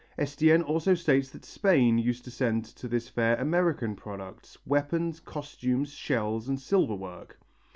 Estienne also states that Spain used to send to this fair American products, weapons, costumes, shells and silver work.